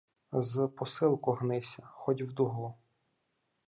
З посилку гнися хоть в дугу.